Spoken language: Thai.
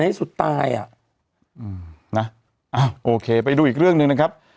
ได้สุดตายโอเคไปดูอีกเรื่องหนึ่งนะครับ